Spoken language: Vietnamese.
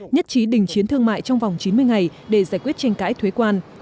nhất trí đình chiến thương mại trong vòng chín mươi ngày để giải quyết tranh cãi thuế quan